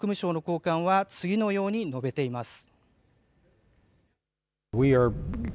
アメリカ国務省の高官は、次のように述べています。